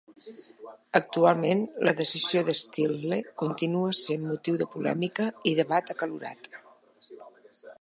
Actualment, la decisió de Steele continua sent motiu de polèmica i debat acalorat.